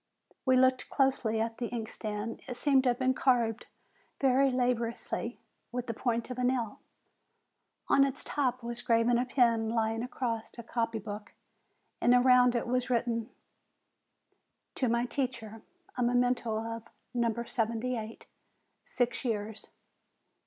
We looked closely at the inkstand : it seemed to have been carved very laboriously with the point of a nail. On its top was graven a pen lying across a copy book, and around it was written : "To my teacher. A memento of No. 78. Six years!'